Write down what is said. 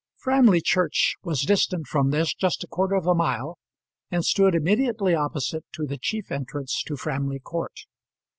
Framley church was distant from this just a quarter of a mile, and stood immediately opposite to the chief entrance to Framley Court.